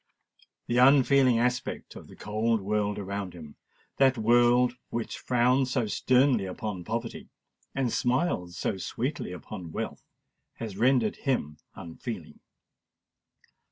The unfeeling aspect of the cold world around him—that world which frowns so sternly upon poverty, and smiles so sweetly upon wealth—has rendered him unfeeling.